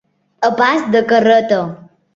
A pas de carreta.